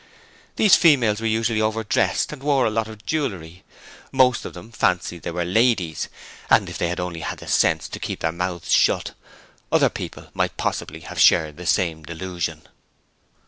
These females were usually overdressed and wore a lot of jewellery. Most of them fancied they were ladies, and if they had only had the sense to keep their mouths shut, other people might possibly have shared the same delusion.